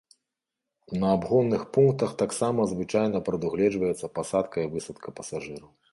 На абгонных пунктах таксама звычайна прадугледжваецца пасадка і высадка пасажыраў.